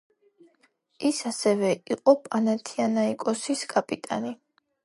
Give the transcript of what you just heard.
ის ასევე იყო „პანათინაიკოსის“ კაპიტანი.